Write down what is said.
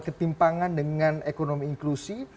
ketimpangan dengan ekonomi inklusi